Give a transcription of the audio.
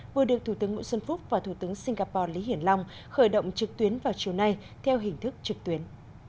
vừa được thủ tướng nguyễn xuân phúc và thủ tướng singapore lý hiển long khởi động trực tuyến vào chiều nay theo hình thức trực tuyến